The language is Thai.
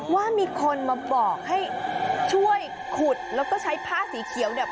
ว่ามีคนมาบอกให้ช่วยขุดแล้วก็ใช้ผ้าสีเขียวเนี่ย